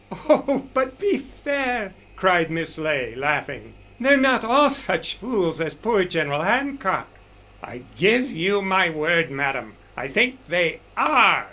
"Oh, but be fair," cried Miss Ley, laughing. "They're not all such fools as poor General Hancock." "I give you my word, madam, I think they are....